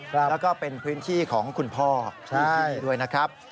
แล้วก็เป็นพื้นที่ของคุณพ่อด้วยนะครับ